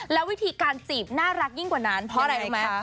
แล้ววิธีการจีบน่ารักยิ่งกว่านั้นเพราะอะไรรู้ไหม